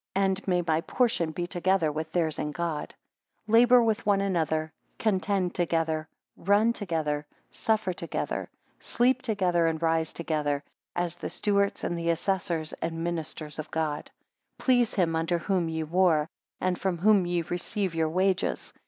And may my portion be together with theirs in God. 13 Labour with one another; contend together, run together, suffer together; sleep together, and rise together; as the stewards, and assessors, and ministers of God. 14 Please him under whom ye war; and from whom ye receive your wages.